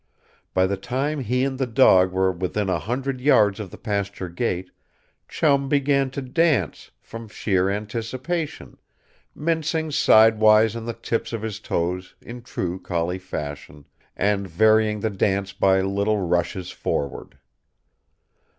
By the time he and the dog were within a hundred yards of the pasture gate Chum began to dance, from sheer anticipation; mincing sidewise on the tips of his toes in true collie fashion, and varying the dance by little rushes forward.